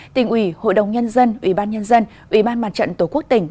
tỉnh ủy hội đồng nhân dân ủy ban nhân dân ủy ban mặt trận tổ quốc tỉnh